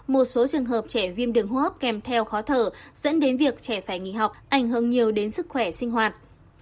một số trường hợp trẻ viêm đường hô hấp kèm theo khó thở dẫn đến việc trẻ phải nghỉ học ảnh hưởng nhiều đến sức khỏe sinh hoạt